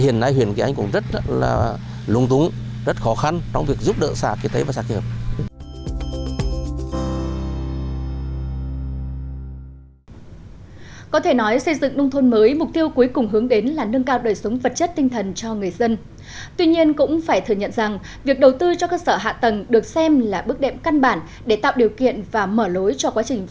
hiện nay huyền anh cũng rất lung túng rất khó khăn trong việc giúp đỡ xã kỳ tây và xã kỳ hợp